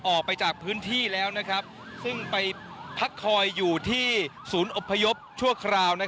ออกไปจากพื้นที่แล้วซึ่งไปพักคอยอยู่ที่ศูนย์อบพยพชั่วคราว